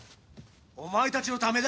お前たちのためだ！